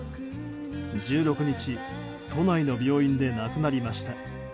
１６日、都内の病院で亡くなりました。